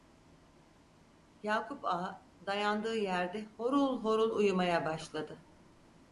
Yakup Ağa dayandığı yerde horul horul uyumaya başladı.